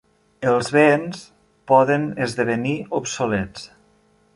Els béns poden esdevenir obsolets.